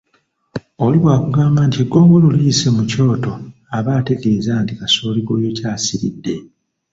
Oli bwakugamba nti eggongolo liyise mu kyoto aba ategeeza nti kasooli gw’oyokya asiridde